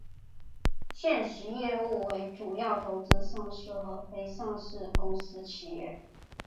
现时业务为主要投资上市和非上市公司企业。